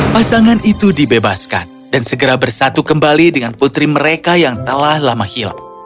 pasangan itu dibebaskan dan segera bersatu kembali dengan putri mereka yang telah lama hilang